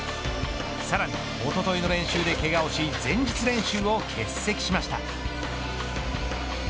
さらにおとといの練習でけがをし前日練習を欠席しました。